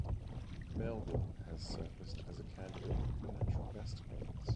Melville has surfaced as a candidate for natural gas deposits.